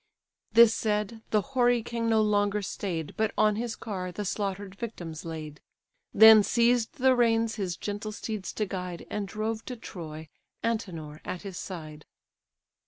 This said, the hoary king no longer stay'd, But on his car the slaughter'd victims laid: Then seized the reins his gentle steeds to guide, And drove to Troy, Antenor at his side.